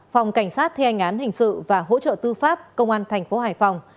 phòng cảnh sát thê anh án hình sự và hỗ trợ tư pháp công an thành phố hải phòng